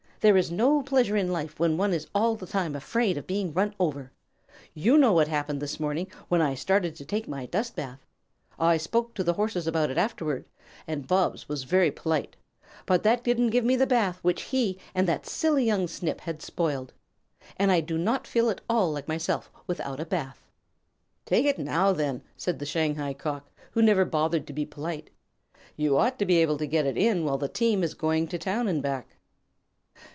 There is no pleasure in life when one is all the time afraid of being run over. You know what happened this morning, when I had started to take my dust bath. I spoke to the Horses about it afterward, and Bobs was very polite, but that didn't give me the bath which he and that silly young Snip had spoiled. And I do not feel at all like myself without a bath." "Take it now then," said the Shanghai Cock, who never bothered to be polite. "You ought to be able to get it in while the team is going to town and back."